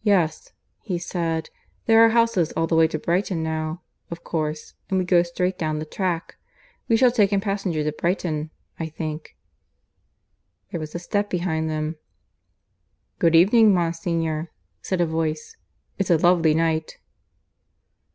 "Yes," he said, "there are houses all the way to Brighton now, of course, and we go straight down the track. We shall take in passengers at Brighton, I think." There was a step behind them. "Good evening, Monsignor," said a voice. "It's a lovely night."